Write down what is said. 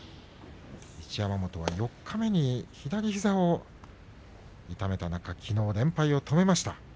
一山本は四日目に左膝を痛めた中きのう連敗を止めました。